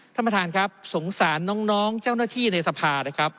ท่านประธานครับสงสารน้องเจ้าหน้าที่ในสภานะครับ